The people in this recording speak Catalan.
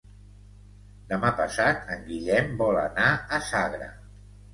Demà passat en Guillem vol anar a Sagra.